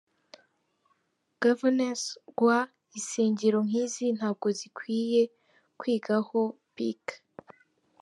GovernanceRw Insengero nk'izi nazo zikwiye kwigwaho pic.